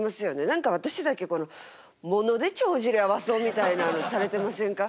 何か私だけこの物で帳尻合わそうみたいなあのされてませんか？